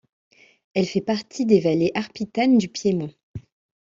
Elle fait partie des vallées arpitanes du Piémont.